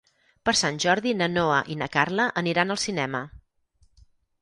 Per Sant Jordi na Noa i na Carla aniran al cinema.